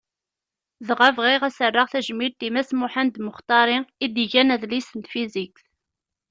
Dɣa bɣiɣ ad as-rreɣ tajmilt i Mass Muḥend Muxṭari i d-igan adlis n tfizikt.